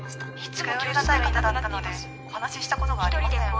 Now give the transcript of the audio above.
近寄りがたい方だったのでお話ししたことがありません。